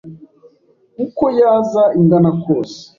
uko yaza ingana kose,